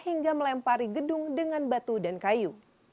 hingga melempari gedung dengan batu dan kayu